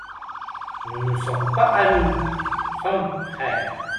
Nous ne sommes pas amis, nous sommes frères.